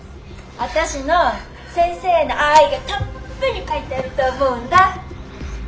あたしのォ先生への愛がたっぷり書いてあると思うんだッ！